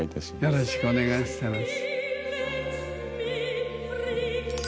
よろしくお願いします。